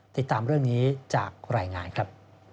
ติดตามเรื่องนี้จากรายงานครับ